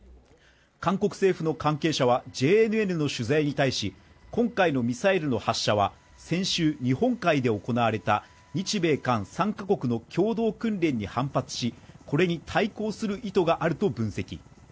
韓国政府の関係者はＪＮＮの取材に対し今回のミサイルの発射は先週日本海で行われた日米韓３か国の共同訓練に反発しこれに対抗する意図があると分析